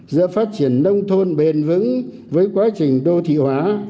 giữa phát triển nông thôn bền vững với quá trình đô thị hóa